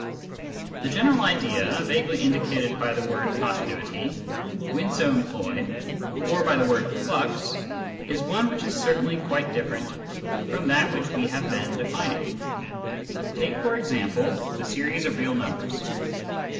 The general idea vaguely indicated by the word " continuity " when so employed, or by the word " flux," is one which is certainly quite different from that which we have been defining. Take, for example, the series of real numbers.